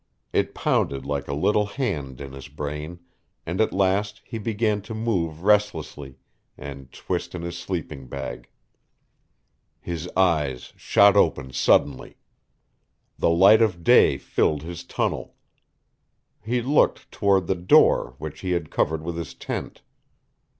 It pounded like a little hand in his brain, and at last he began to move restlessly, and twist in his sleeping bag. His eyes shot open suddenly. The light of day filled his tunnel. He looked toward the "door" which he had covered with his tent.